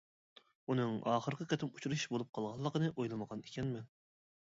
ئۇنىڭ ئاخىرقى قېتىم ئۇچرىشىش بولۇپ قالغانلىقىنى ئويلىمىغان ئىكەنمەن.